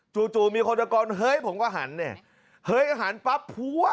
จู่มีคนตะโกนเฮ้ยผมก็หันเนี่ยเฮ้ยหันปั๊บพัว